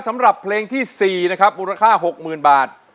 สำหรับเพลงที่๔นะครับมูลค่า๖๐๐๐บาท